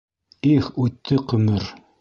Их, үтте ҡөмөр...